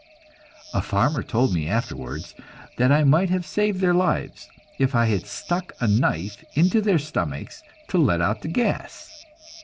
A farmer told me afterwards that I might have saved their lives, if I had stuck a knife into their stomachs to let out the gas.